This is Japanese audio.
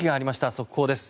速報です。